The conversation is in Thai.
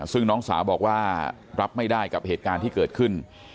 ซึ่งน้องสาวบอกว่ารับไม่ได้กับเหตุการณ์ที่เกิดขึ้น